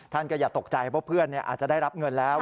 ท่านก็อย่าตกใจเพราะเพื่อนอาจจะได้รับเงินแล้ว